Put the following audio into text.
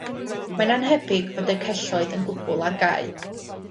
Mae'n annhebyg fod y celloedd yn gwbl ar gau